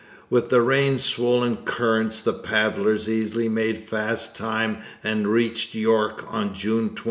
With the rain swollen current the paddlers easily made fast time and reached York on June 20.